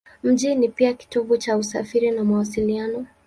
Mji ni pia kitovu cha usafiri na mawasiliano.